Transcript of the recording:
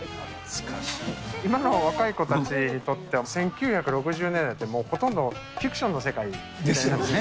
今の若い子たちにとっては、１９６０年代ってもうほとんどフィクションの世界の時代なんですね。